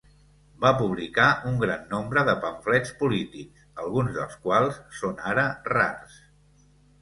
Va publicar un gran nombre de pamflets polítics, alguns dels quals són ara rars.